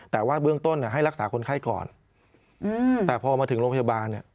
แต่ว่าเบื้องต้นให้รักษาคนไข้ก่อนแต่พอมาถึงโรงพยาบาลเนี่ย